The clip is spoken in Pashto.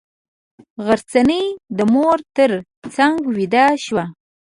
غرڅنۍ د مور تر څنګه ویده شوه.